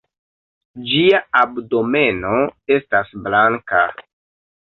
Ĝia abdomeno estas blanka.